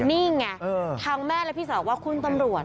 นี่ไงทางแม่และพี่สาวว่าคุณตำรวจ